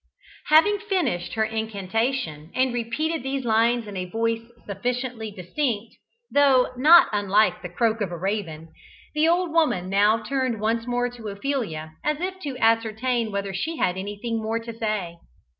Having finished her incantation, and repeated these lines in a voice sufficiently distinct, though not unlike the croak of a raven, the old woman now turned once more to Ophelia, as if to ascertain whether she had anything more to say.